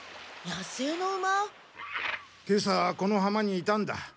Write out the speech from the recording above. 今朝このはまにいたんだ。